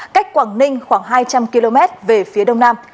cách quảng ninh khoảng hai trăm linh km về phía đông nam